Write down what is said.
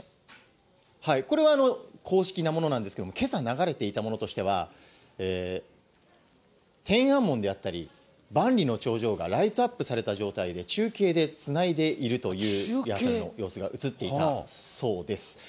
これは公式のものなんですが、けさ流れていたものとしては、天安門であったり、万里の長城がライトアップされた状態で、中継でつないでいるという様子が映っていたんです。